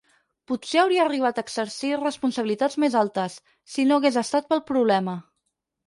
Potser hauria arribat a exercir responsabilitats més altes, si no hagués estat pel problema.